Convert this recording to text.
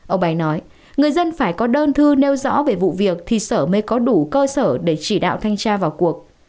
ông bày nói người dân phải có đơn thư nêu rõ về vụ việc thì sở mới có đủ cơ sở để chỉ đạo thanh tra vào cuộc